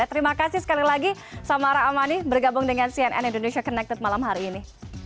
terima kasih sekali lagi samara amani bergabung dengan cnn indonesia connected malam hari ini